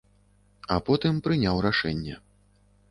А потым прыняў рашэнне.